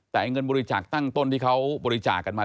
แต่เงินบริจาคตั้งต้นที่เขาบริจาคกันมา